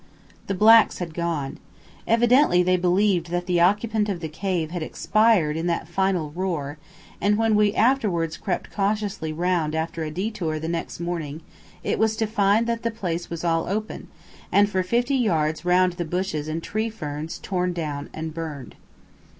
The blacks had gone. Evidently they believed that the occupant of the cave had expired in that final roar, and when we afterwards crept cautiously round after a detour the next morning, it was to find that the place was all open, and for fifty yards round the bushes and tree ferns torn down and burned.